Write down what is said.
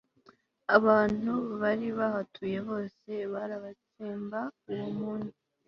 abantu bari bahatuye bose barabatsemba uwo munsi